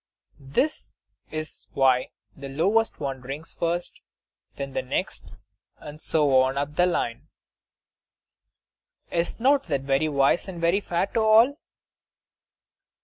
That is why the lowest one drinks first, then the next, and so on up the line. Is not that very wise, and very fair to all?